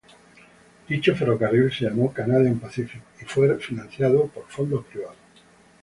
Dicho ferrocarril se llamó "Canadian Pacific", y fue financiado por fondos privados.